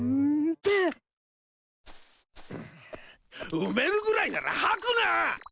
埋めるぐらいなら吐くな！